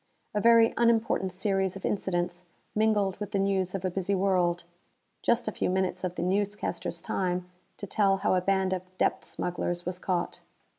A very unimportant series of incidents mingled with the news of a busy world just a few minutes of the newscasters' time to tell how a band of depth smugglers was caught.